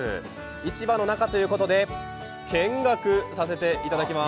市場の中ということで、見学させていただきます。